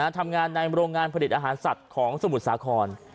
ทำงานในโรงงานผลิตอาหารสัตว์ของสมุทรสาคร